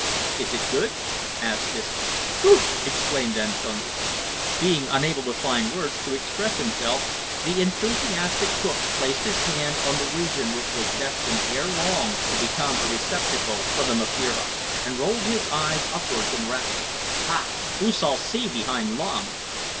"Is it good?" asked Disco. "Goot!" exclaimed Antonio. Being unable to find words to express himself, the enthusiastic cook placed his hand on the region which was destined ere long to become a receptacle for the mapira, and rolled his eyes upwards in rapture. "Hah! oo sall see behind long."